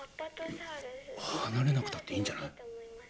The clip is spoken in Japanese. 離れなくたっていいんじゃない？